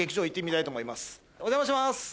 お邪魔します